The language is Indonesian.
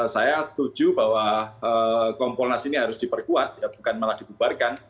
saya setuju bahwa kompolnas ini harus diperkuat bukan malah dibubarkan